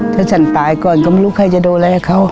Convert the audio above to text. ถ้าฉันตายก่อนก็ไม่รู้ใครจะดูแลเขา